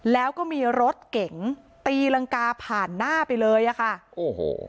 แล้วก็มีรถเก๋งตีรังกาผ่านหน้าไปเลยอ่ะค่ะโอ้โห